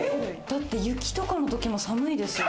だって、雪とかの時も寒いですよ。